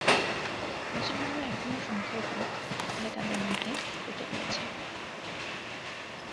মুসলমানরা এখনও সংখ্যায় কম, ফলে তাদের মধ্যে একতা রয়েছে।